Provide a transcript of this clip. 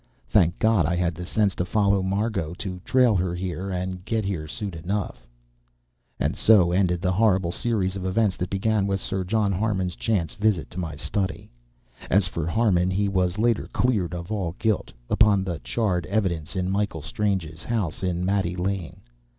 Thank God I had the sense to follow Margot to trail her here and get here soon enough." And so ended the horrible series of events that began with Sir John Harmon's chance visit to my study. As for Harmon, he was later cleared of all guilt, upon the charred evidence in Michael Strange's house in Mate Lane.